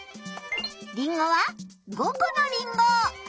りんごは５コのりんご。